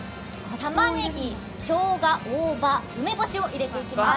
たまねぎ、しょうが、大葉、梅干しを入れていきます。